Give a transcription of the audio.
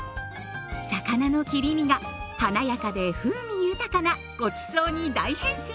魚の切り身が華やかで風味豊かなごちそうに大変身しますよ。